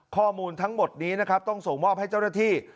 ข้อมูลทั้งหมดนี้นะครับต้องส่งมอบให้เจ้าหน้าที่